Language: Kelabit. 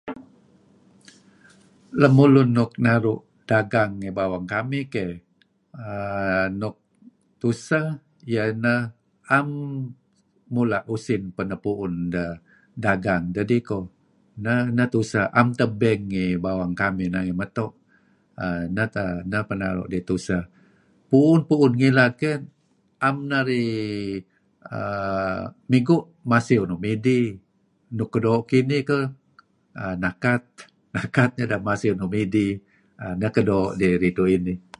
Lemulun nuk naru' dagang lem bawang kamih keh err nuk tusah iyeh ineh 'am mula' usin pakai deh nepu'un dagang dedih koh neh tuseh. Am teh bank ngi bawang kamih ngih meto' . err Neh peh naru' dih tuseh. Pu'un-pu'un ngilad keh am narih err migu' masiew nuk midih. Nuk keduoo' kinih keh nakat nakat nideh masiew nuk midih err neh ken doo' dih ridtu' inih.